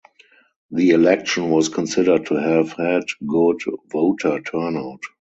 The election was considered to have had good voter turnout.